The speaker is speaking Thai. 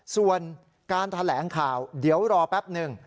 ส่วนการแถลงข่าวเดี๋ยวรอแป๊บหนึ่ง